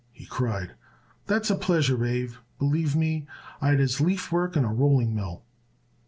he cried. "That's a pleasure, Abe. Believe me I'd as lief work in a rolling mill."